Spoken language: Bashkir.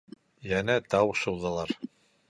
Йәнә тау шыуҙылар.